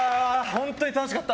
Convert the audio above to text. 本当に楽しかった。